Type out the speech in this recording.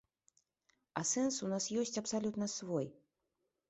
А сэнс у нас ёсць абсалютна свой.